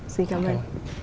xin cảm ơn